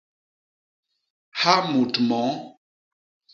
Ha mut moo.